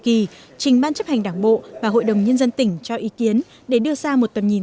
kỳ trình ban chấp hành đảng bộ và hội đồng nhân dân tỉnh cho ý kiến để đưa ra một tầm nhìn